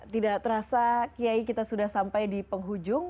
terasa qiai kita sudah sampai di penghujung